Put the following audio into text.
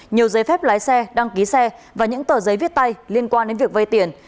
nhiều giấy phép lái xe đăng ký xe và những tờ giấy viết tay liên quan đến việc vây tiền